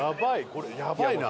これやばいな。